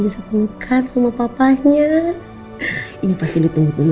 bisa ngeliat papa seperti ini